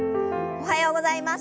おはようございます。